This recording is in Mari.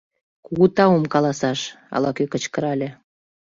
— Кугу таум каласаш! — ала-кӧ кычкырале.